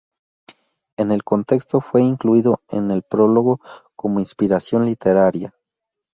En el contexto, fue incluido en el prólogo como inspiración literaria.